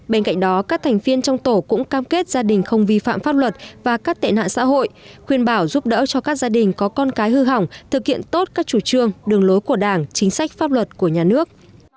bên cạnh đó các thành viên trong tổ cũng cam kết gia đình không vi phạm pháp luật và các tệ nạn xã hội khuyên bảo giúp đỡ cho các gia đình có con cái hư hỏng thực hiện tốt các chủ trương đường lối của đảng chính sách pháp luật của nhà nước